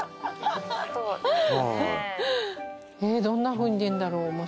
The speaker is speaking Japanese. どんなふうに出んだろう